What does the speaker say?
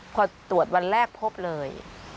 พอตรวจวันแรกพบเลย